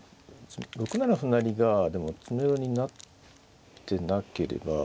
６七歩成がでも詰めろになってなければ。